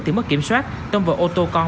thì mất kiểm soát tông vào ô tô con